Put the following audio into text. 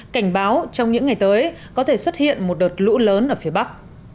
cảnh báo trong những ngày tới có thể xuất hiện một đợt lũ lớn ở phía bắc